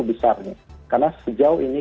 besarnya karena sejauh ini